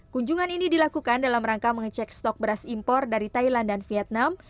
kunjungan ini dilakukan dalam rangka mengecek stok beras impor dari thailand dan vietnam